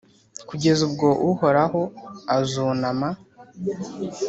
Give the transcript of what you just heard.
kugeza ubwo Uhoraho azunama,